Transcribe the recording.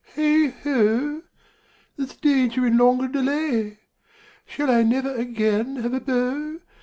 Heigh ho! There's danger in longer delay! Shall I never again have a beau?